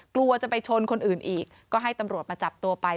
กลัวจะไปชนคนอื่นอีกก็ให้ตำรวจมาจับตัวไป